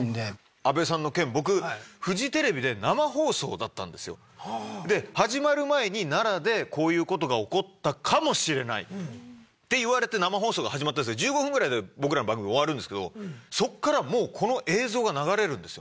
安倍さんの件僕フジテレビで生放送だったんですよ。で始まる前に奈良でこういうことが起こったかもしれないって言われて生放送が始まったんですけど１５分ぐらいで僕らの番組終わるんですけどそっからもうこの映像が流れるんですよね。